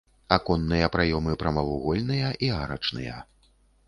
Аконныя праёмы прамавугольныя і арачныя.